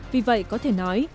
vì vậy có thể nói